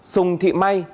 sùng thị may